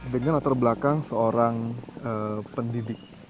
dengan latar belakang seorang pendidik